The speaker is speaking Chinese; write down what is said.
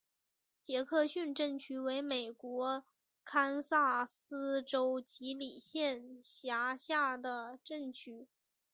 杰克逊镇区为美国堪萨斯州吉里县辖下的镇区。